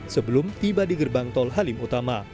sebelum tiba di gerbang tol halim utama